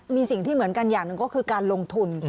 มีสิ่งที่เหมือนกันอย่างหนึ่งก็คือการลงทุน